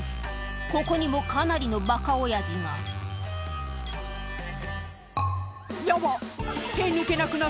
ここにもかなりのバカオヤジが「ヤバっ